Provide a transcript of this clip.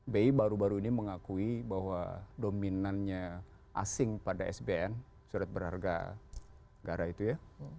bi baru baru ini mengakui bahwa dominannya asing pada sbn surat berharga gara itu ya